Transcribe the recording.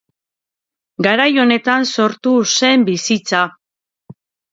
Garai honetan sortu zen bizitza.